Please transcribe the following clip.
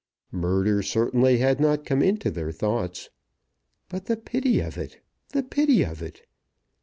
Murder certainly had not come into their thoughts. But the pity of it; the pity of it!